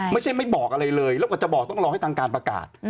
ไม่ใช่ไม่บอกอะไรเลยแล้วกว่าจะบอกต้องรอให้ทางการประกาศ